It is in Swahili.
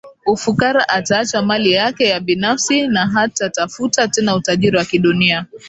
Ufukara ataacha mali yake ya binafsi na hatatafuta tena utajiri wa kidunia